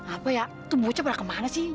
apa ya tuh bu cap udah kemana sih